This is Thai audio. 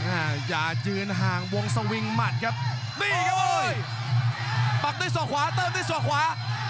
อย่ายืนห่างวงสวิงหมัดครับนี่ครับโอ้ยปักด้วยศอกขวาเติมด้วยศอกขวา